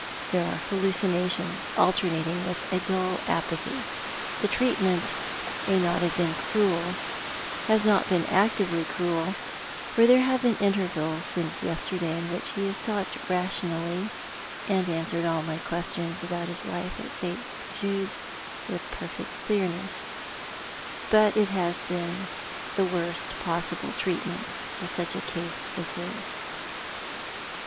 There are lialluciuations, alteruatiug with a dull apathy. The treatment may not have been cruel — has not been actively cruel — for there have been intervals since yesterday in which ho has talked rationally, and answered all my questions about his life at St. Judo's witli perfect clearness — but it has been the worst possible treatment for such a case as his."